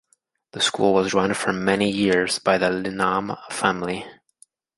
The school was run for many years by the Lynam family.